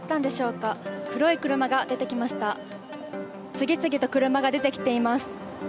次々と車が出てきています。